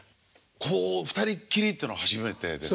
こう２人きりっていうのは初めてです。